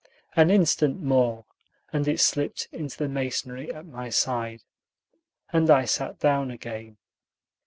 An instant more, and it slipped into the masonry at my side, and I sat down again.